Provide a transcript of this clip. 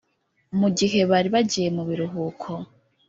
mu gihe bari bagiye mu biruhuko